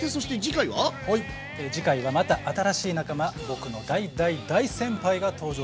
次回はまた新しい仲間僕の大大大先輩が登場します。